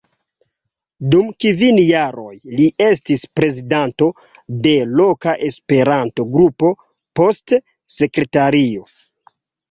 Dum kvin jaroj li estis prezidanto de loka Esperanto-Grupo, poste sekretario.